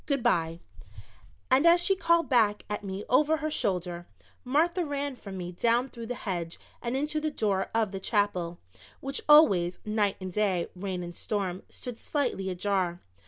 Good bye!" And as she called back at me over her shoulder, Martha ran from me down through the hedge and into the door of the chapel, which always, night and day, rain and storm, stood slightly ajar.